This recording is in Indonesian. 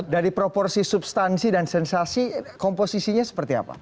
dari proporsi substansi dan sensasi komposisinya seperti apa